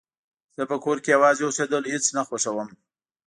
زه په کور کې يوازې اوسيدل هيڅ نه خوښوم